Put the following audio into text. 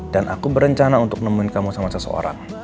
dan aku berencana untuk nemuin kamu sama seseorang